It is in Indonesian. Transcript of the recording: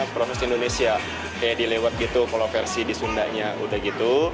proses indonesia kayak dilewat gitu kalau versi di sundanya udah gitu